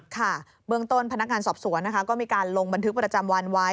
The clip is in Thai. ค่ะเบื้องต้นพนักงานสอบสวนนะคะก็มีการลงบันทึกประจำวันไว้